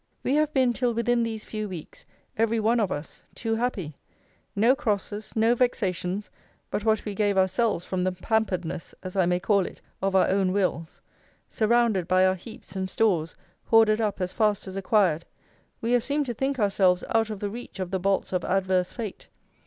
We have been till within these few weeks, every one of us, too happy. No crosses, no vexations, but what we gave ourselves from the pamperedness, as I may call it, of our own wills. Surrounded by our heaps and stores, hoarded up as fast as acquired, we have seemed to think ourselves out of the reach of the bolts of adverse fate.